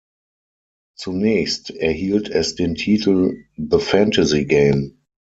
Zunächst erhielt es den Titel „The Fantasy Game“.